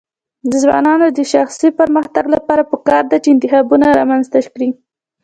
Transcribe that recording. د ځوانانو د شخصي پرمختګ لپاره پکار ده چې انتخابونه رامنځته کړي.